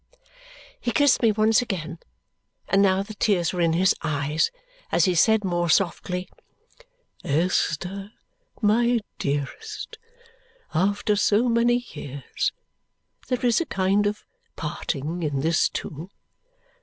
He kissed me once again, and now the tears were in his eyes as he said more softly, "Esther, my dearest, after so many years, there is a kind of parting in this too.